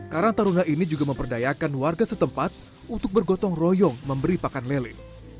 karang taruna ini juga memperdayakan warga setempat untuk bergotong royong memberi pakan lele